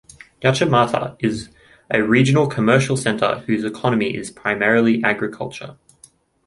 Yachimata is a regional commercial center whose economy is primarily agricultural.